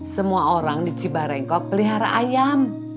semua orang di cibarengkok pelihara ayam